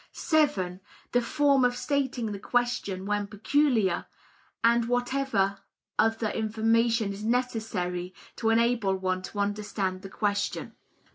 (7) The form of stating the question when peculiar, and whatever other information is necessary to enable one to understand the question.